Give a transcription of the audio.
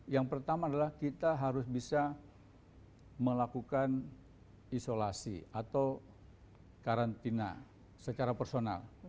yang pertama adalah kita harus bisa melakukan isolasi atau karantina secara personal